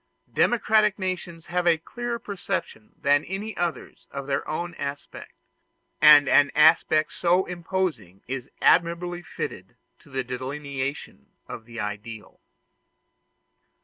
Democractic nations have a clearer perception than any others of their own aspect; and an aspect so imposing is admirably fitted to the delineation of the ideal.